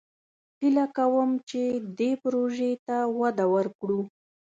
هیله لرم چې دې پروژې ته وده ورکړو.